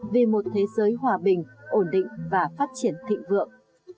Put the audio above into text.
về một thế giới hòa bình ổn định và phát triển thị vượng